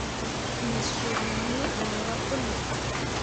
Me sur wǝǝ ɓerah puli.